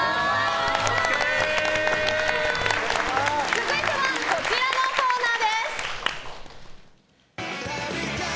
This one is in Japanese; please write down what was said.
続いては、こちらのコーナー。